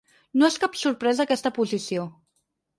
No és cap sorpresa aquesta posició.